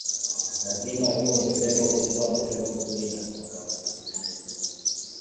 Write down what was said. Lazima tu ungesema ulikuwa mchezo mzuri na wa kuvutia